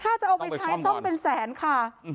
ถ้าจะเอาไปใช้ซ่อมเป็นแสนค่ะ